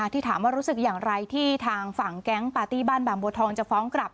ที่ถามว่ารู้สึกอย่างไรที่ทางฝั่งแก๊งปาร์ตี้บ้านบางบัวทองจะฟ้องกลับ